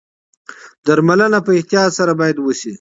درملنه په احتیاط سره باید وشي.